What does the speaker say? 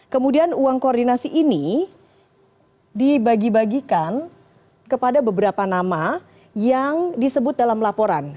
kemudian uang koordinasi ini dibagi bagikan kepada beberapa nama yang disebut dalam laporan